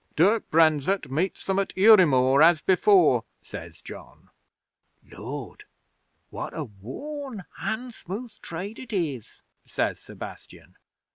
Dirk Brenzett meets them at Udimore, as before," says John. '"Lord! What a worn, handsmooth trade it is!" says Sebastian.